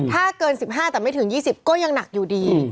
ถ้าเกิน๑๕แต่ไม่ถึง๒๐ก็ยังหนักอยู่ดี